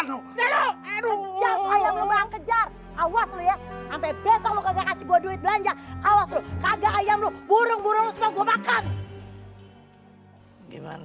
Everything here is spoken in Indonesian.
awas lo ya sampe besok lo kagak kasih gue duit belanja